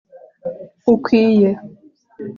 ukwiye